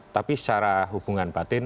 tapi secara hubungan batin